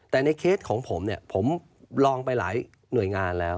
แต่ในเคสของผมเนี่ยผมลองไปหลายหน่วยงานแล้ว